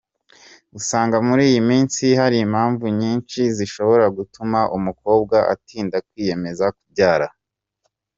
Usanga muri iyi minsi hari impamvu nyinshi zishobora gutuma umukobwa atinda kwiyemeza kubyara.